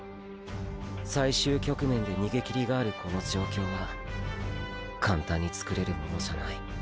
最終局面で先行きりがあるこの状況は簡単につくれるものじゃない。